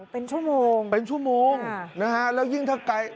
เป็นชั่วโมงเป็นชั่วโมงนะฮะแล้วยิ่งถ้าไกล